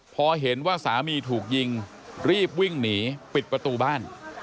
พอเห็นว่าสามีถูกยิงรีบวิ่งหนีปิดประตูบ้าน